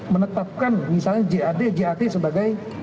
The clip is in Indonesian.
menetapkan misalnya jad jat sebagai